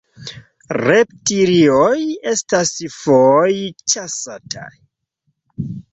Reptilioj estas foje ĉasataj.